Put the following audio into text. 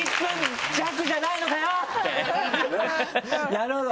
なるほど。